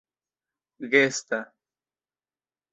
gesta